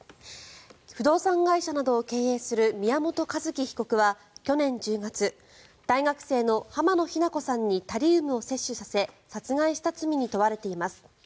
不動産会社などを経営する宮本一希被告は去年１０月大学生の浜野日菜子さんにタリウムを摂取させ殺害した罪に問われています。